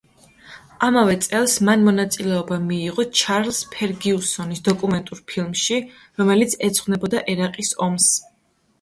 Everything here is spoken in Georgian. ამავე წელს მან მონაწილეობა მიიღო ჩარლზ ფერგიუსონის დოკუმენტურ ფილმში, რომელიც ეძღვნებოდა ერაყის ომს.